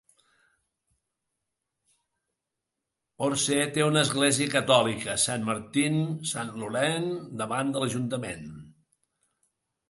Orsay té una església catòlica: Saint-Martin - Saint-Laurent, davant de l'ajuntament.